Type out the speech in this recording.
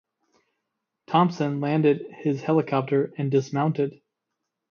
Thompson landed his helicopter and dismounted.